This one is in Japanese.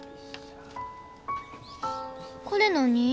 これ何？